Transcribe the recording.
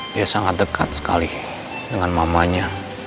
dia sangat dekat sekali dengan mamanya